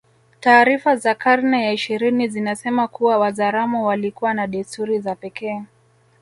Taarifa za karne ya ishirini zinasema kuwa Wazaramo walikuwa na desturi za pekee